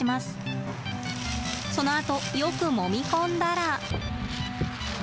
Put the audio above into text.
そのあとよくもみ込んだら。